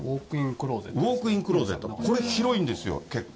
ウォークインクローゼット、これ広いんですよ、結構。